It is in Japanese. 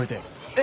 え？